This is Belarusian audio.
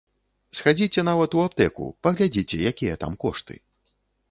Схадзіце нават у аптэку, паглядзіце якія там кошты.